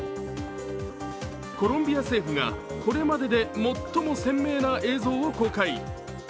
コロンビア政府がこれまでで最も鮮明な映像を公開。